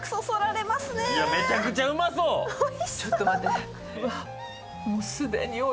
めちゃくちゃうまそうや。